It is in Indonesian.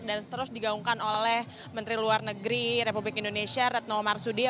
dan terus digaungkan oleh menteri luar negeri republik indonesia retno marsudie